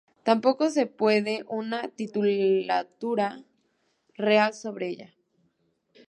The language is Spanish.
Tampoco se conoce una titulatura real sobre ella.